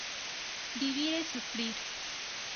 Vivir es sufrir